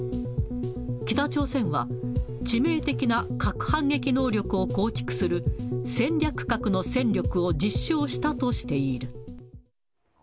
北朝鮮は、致命的な核反撃能力を構築する戦略核の戦力を実証したとしている。